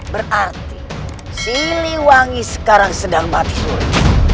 berarti siliwangi sekarang sedang mati suri